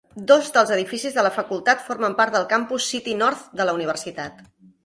Dos dels edificis de la facultat formen part del campus City North de la universitat.